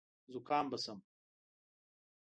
زکام به شم .